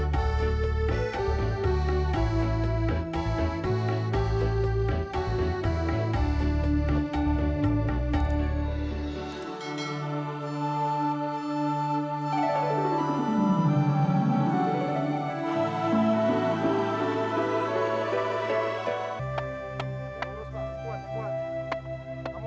masih lanjut vnd masa